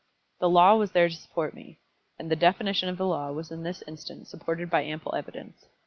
The law was there to support me, and the definition of the law was in this instance supported by ample evidence.